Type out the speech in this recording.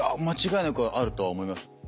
間違いなくあるとは思います。